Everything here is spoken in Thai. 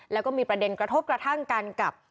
แล้วก็มีประเด็นกระทบกระทั่งกันกับ